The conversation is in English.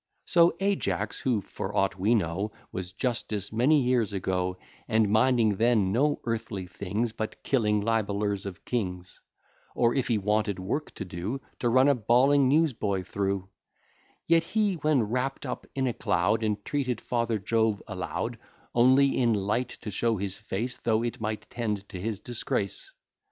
So, Ajax, who, for aught we know, Was justice many years ago, And minding then no earthly things, But killing libellers of kings; Or if he wanted work to do, To run a bawling news boy through; Yet he, when wrapp'd up in a cloud, Entreated father Jove aloud, Only in light to show his face, Though it might tend to his disgrace.